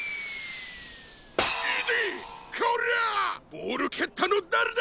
ボールけったのだれだ！？